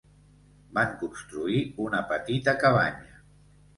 Van construir una petita cabanya.